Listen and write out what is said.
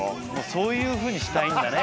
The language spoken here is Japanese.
そういうふうにしたいんだね。